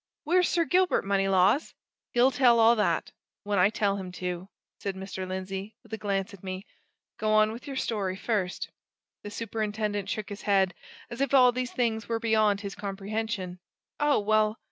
Where's Sir Gilbert, Moneylaws?" "He'll tell all that when I tell him to," said Mr. Lindsey, with a glance at me. "Go on with your story, first." The superintendent shook his head, as if all these things were beyond his comprehension. "Oh, well!"